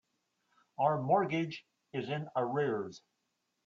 Our mortgage is in arrears.